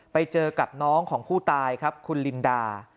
ไปเจอกับน้องของผู้ตายครับคุณลินดา